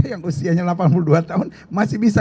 yang usianya delapan puluh dua tahun masih bisa